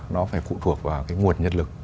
nó phải phụ thuộc vào nguồn nhân lực